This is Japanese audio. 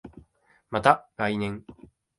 また来年